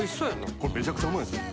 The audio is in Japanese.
これめちゃくちゃうまいですよ。